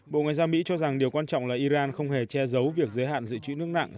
bộ ngoại giao mỹ cho rằng điều quan trọng là iran không hề che giấu việc giới hạn dự trữ nước nặng